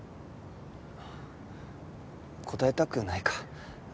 答えたくないか。